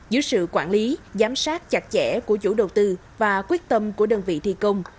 dưới sự quản lý giám sát chặt chẽ của chủ đầu tư và quyết tâm của đơn vị thi công